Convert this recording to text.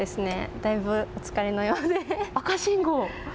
だいぶお疲れのようで。